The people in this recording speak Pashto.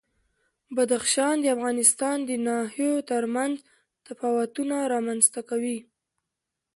بدخشان د افغانستان د ناحیو ترمنځ تفاوتونه رامنځ ته کوي.